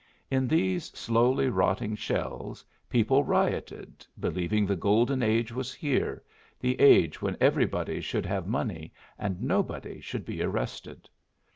In these slowly rotting shells people rioted, believing the golden age was here, the age when everybody should have money and nobody should be arrested.